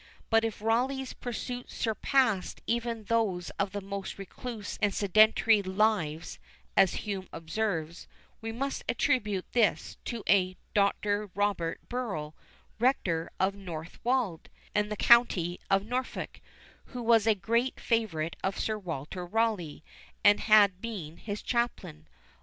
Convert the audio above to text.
But if Rawleigh's pursuits surpassed even those of the most recluse and sedentary lives, as Hume observes, we must attribute this to a "Dr. Robert Burrel, Rector of Northwald, in the county of Norfolk, who was a great favourite of Sir Walter Rawleigh, and had been his chaplain.